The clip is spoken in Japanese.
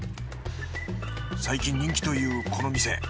最近人気というこの店。